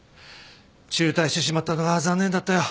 中退してしまったのは残念だったよ。